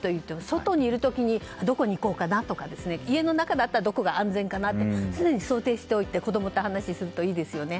外にいる時にどこに行こうかなとか、家の中だったらどこが安全かなと常に想定しておいて子供と話をするといいですよね。